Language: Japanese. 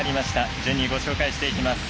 順にご紹介していきます。